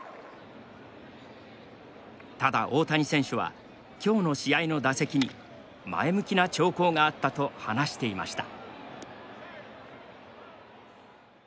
ただ大谷選手はきょうの試合の打席に前向きな兆候があったと話していました。